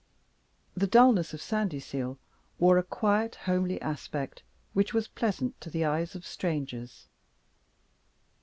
The dullness of Sandyseal wore a quiet homely aspect which was pleasant to the eyes of strangers.